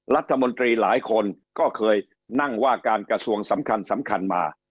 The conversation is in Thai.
รัฐมนตรีหลายคนก็เคยนั่งว่าการกระทรวงสำคัญสำคัญมา